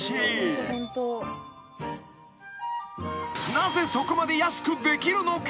［なぜそこまで安くできるのか？］